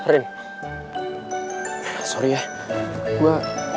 rin sorry ya gua